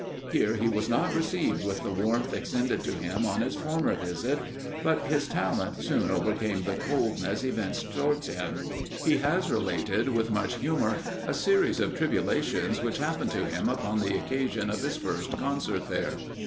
Here he was not received with the warmth extended to him on his former visit; but his talent soon overcame the coldness evinced towards him. He has related, with much humour, a series of tribulations which happened to him upon the occasion of his first concert there.